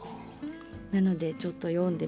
なのでちょっと読んでみます。